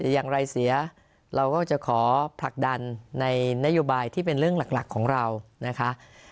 อย่างไรเสียเราก็จะขอผลักดันในนโยบายที่เป็นเรื่องหลักของเรานะคะ